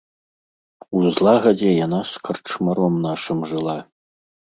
У злагадзе яна з карчмаром нашым жыла.